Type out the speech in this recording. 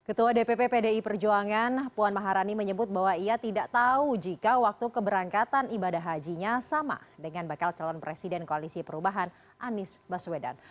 ketua dpp pdi perjuangan puan maharani menyebut bahwa ia tidak tahu jika waktu keberangkatan ibadah hajinya sama dengan bakal calon presiden koalisi perubahan anies baswedan